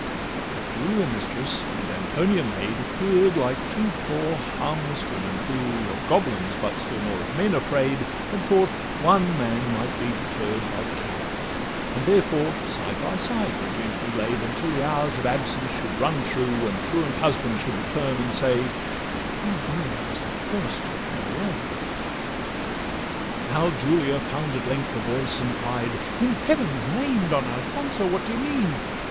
But Julia mistress, and Antonia maid, Appear'd like two poor harmless women, who Of goblins, but still more of men afraid, Had thought one man might be deterr'd by two, And therefore side by side were gently laid, Until the hours of absence should run through, And truant husband should return, and say, 'My dear, I was the first who came away.' Now Julia found at length a voice, and cried, 'In heaven's name, Don Alfonso, what d' ye mean?